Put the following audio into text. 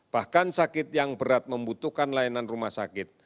bahkan sakit yang berat membutuhkan layanan rumah sakit